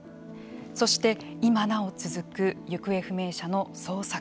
そして、今なお続く行方不明者の捜索。